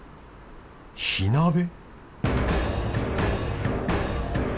火鍋？